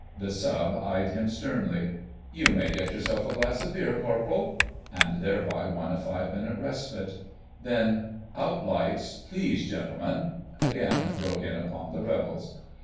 The Sub. eyed him sternly. "You may get yourself a glass of beer, Corporal," and thereby won a five minutes' respite. Then—— "Out lights, please, gentlemen," again broke in upon the revels.